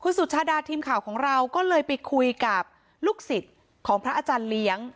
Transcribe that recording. สุชาดาทีมข่าวของเราก็เลยไปคุยกับลูกศิษย์ของพระอาจารย์เลี้ยง